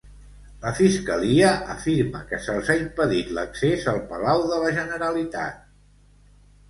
La Fiscalia afirma que se'ls ha impedit l'accés al Palau de la Generalitat.